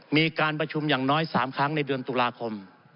มีการประชุมอย่างน้อย๓ครั้งในเดือนตุลาคม